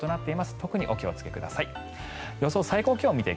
特にお気をつけください。